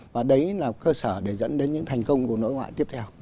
và đấy là cơ sở để dẫn đến những thành công của đối ngoại tiếp theo